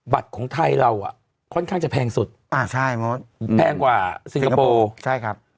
ของไทยเราอ่ะค่อนข้างจะแพงสุดอ่าใช่มดแพงกว่าสิงคโปร์ใช่ครับ